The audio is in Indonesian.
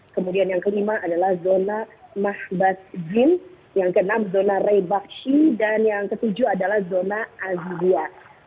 kemudian yang kelima adalah zona mahbas jin yang keenam zona rebaksi dan yang ketujuh adalah zona alzigya